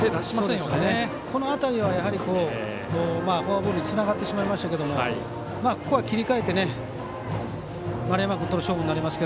この辺りは、フォアボールにつながってしまいましたけれどもここは切り替えて丸山君との勝負になります。